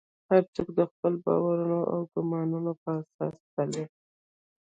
هر څوک د خپلو باورونو او ګومانونو پر اساس تلي.